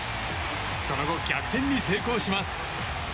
その後、逆転に成功します。